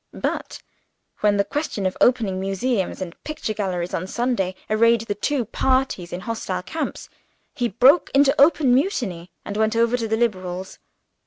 But, when the question of opening museums and picture galleries on Sundays arrayed the two parties in hostile camps, he broke into open mutiny, and went over to the Liberals.